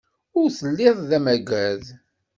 Ur telliḍ d amagad.